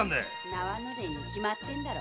縄のれんに決まってんだろ。